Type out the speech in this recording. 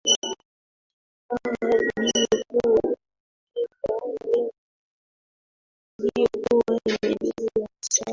aa iliyokuwa imebeba ndege iliyokuwa imebaba misaada